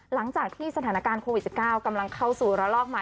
หลังจากที่สถานการณ์โควิด๑๙กำลังเข้าสู่ระลอกใหม่